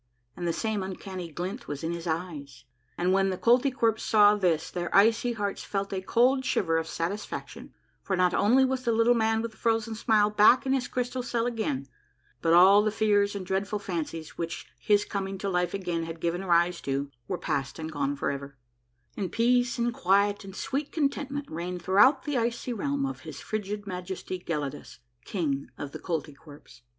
And the same uncanny glint was in his eyes, and when the Koltykwerps saw this their icy hearts felt a cold shiver of satisfaction, for not only was the Little Man with the Frozen Smile back in his crystal cell again, but all the fears and dread ful fancies which his coming to life again had given rise to were past and gone forever, and peace and quiet and sweet contentment reigned throughout the icy realm of his frigid Majesty Gelidus, King of the Koltykwerps !